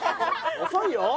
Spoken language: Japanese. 遅いよ。